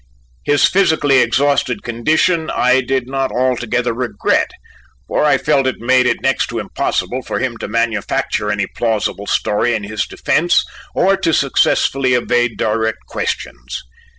His physically exhausted condition I did not altogether regret, for I felt it made it next to impossible for him to manufacture any plausible story in his defence or to successfully evade direct questions.